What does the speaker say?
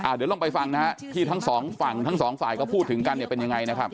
เดี๋ยวลองไปฟังนะฮะที่ทั้งสองฝั่งทั้งสองฝ่ายก็พูดถึงกันเนี่ยเป็นยังไงนะครับ